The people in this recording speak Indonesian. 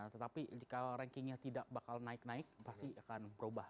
tetapi jika rankingnya tidak bakal naik naik pasti akan berubah